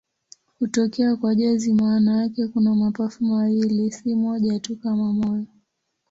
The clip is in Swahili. Hutokea kwa jozi maana yake kuna mapafu mawili, si moja tu kama moyo.